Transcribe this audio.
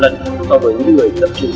bốn lần so với những người tập trung